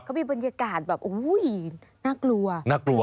เขามีบรรยากาศแบบโอ้ยน่ากลัว